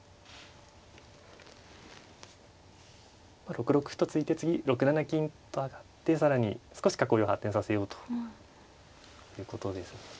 ６六歩と突いて次６七金と上がって更に少し囲いを発展させようということですね。